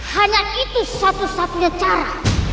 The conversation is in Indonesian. hanya itu satu satunya cara